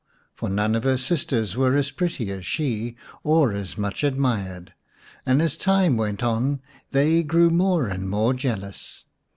For none of her sisters were as pretty as she, or as much admired, and as time went on they grew more and more jealous.